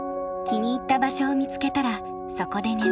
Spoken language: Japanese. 気に入った場所を見つけたらそこで眠る。